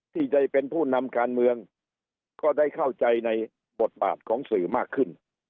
ที่จะเป็นผู้นำการเมืองก็ได้เข้าใจในบทบาทของสื่อมากขึ้น